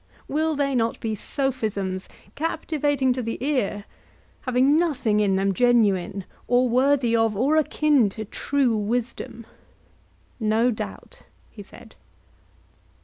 Will they not be sophisms captivating to the ear, having nothing in them genuine, or worthy of or akin to true wisdom? No doubt, he said.